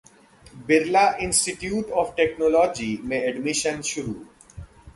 Birla institute of technology में admission शुरू